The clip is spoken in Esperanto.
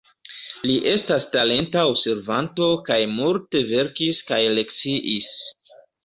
Li estas talenta observanto kaj multe verkis kaj lekciis.